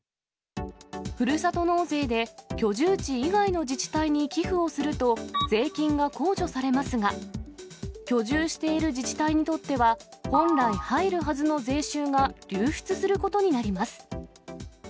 ふるさと納税で居住地以外の自治体に寄付をすると、税金が控除されますが、居住している自治体にとっては、本来入るはずの税収が流出することになります。